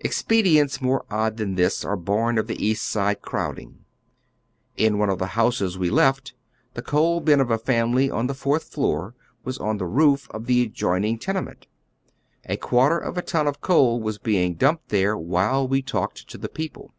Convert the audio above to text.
Expedients more odd than this are born of the East Side crowding. In one of tbe houses we left, tbe coal bin of a family on the fourth floor was on tbe roof of the adjoining tene ment. A quarter of a ton of coal was being dumped there while we talked with tbe people.